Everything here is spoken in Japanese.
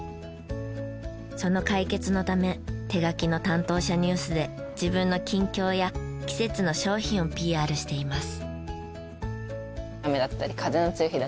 その解決のため手書きの「担当者ニュース」で自分の近況や季節の商品をＰＲしています。